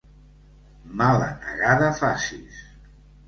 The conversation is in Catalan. Mala negada facis!